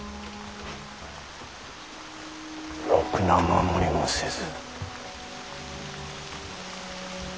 ろくな守りもせず。